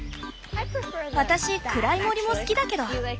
私暗い森も好きだけど。